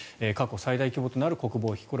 過去最大規模となる国防費。